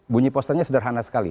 bunyi posternya sederhana sekali